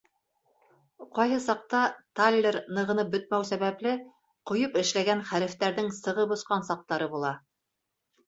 Ҡайһы саҡта, таллер нығынып бөтмәү сәбәпле, ҡойоп эшләгән хәрефтәрҙең сығып осҡан саҡтары була.